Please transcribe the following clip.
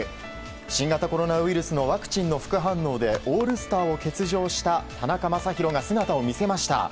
新型コロナウイルスのワクチンの副反応でオールスターを欠場した田中将大が姿を見せました。